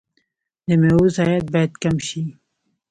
د میوو ضایعات باید کم شي.